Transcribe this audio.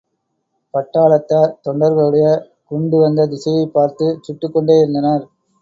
பட்டாளத்தார் தொண்டர்களுடைய குண்டு வந்த திசையைப் பார்த்துச் சுட்டுக்கொண்டேயிருந்தனர்.